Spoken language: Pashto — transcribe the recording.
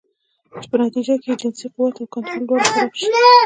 چې پۀ نتيجه کښې ئې جنسي قوت او کنټرول دواړه خراب شي